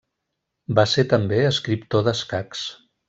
Va ser també escriptor d'escacs.